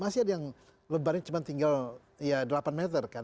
masih ada yang lebarnya cuma tinggal ya delapan meter kan